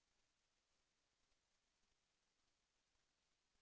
แสวได้ไงของเราก็เชียนนักอยู่ค่ะเป็นผู้ร่วมงานที่ดีมาก